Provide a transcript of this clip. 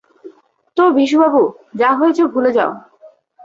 তো, বিশু বাবু যা হয়েছে ভুলে যাও।